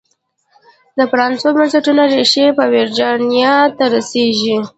د پرانیستو بنسټونو ریښې په ویرجینیا ته رسېږي.